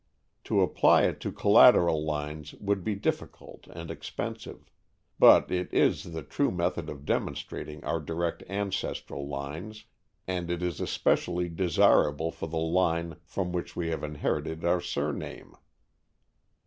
To apply it to collateral lines would be difficult and expensive. But it is the true method of demonstrating our direct ancestral lines, and it is especially desirable for the line from which we have inherited our surname.